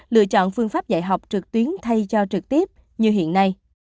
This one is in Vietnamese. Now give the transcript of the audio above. lựa chọn phương pháp dạy học trực tuyến thay cho trực tiếp như hiện nay